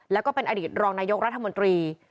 แล้วก็เป็นอดีตรองนายกรัฐมนตรี